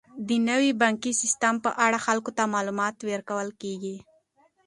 د نوي بانکي سیستم په اړه خلکو ته معلومات ورکول کیږي.